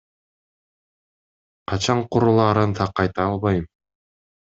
Качан курулаарын так айта албайм.